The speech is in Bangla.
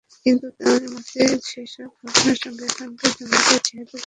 কিন্তু তাঁর মতে, সেসব ভাবনার সঙ্গে এখনকার জঙ্গিদের জিহাদের কোনো মিল নেই।